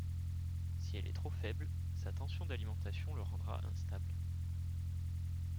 Si elle est trop faible, sa tension d'alimentation le rendra instable.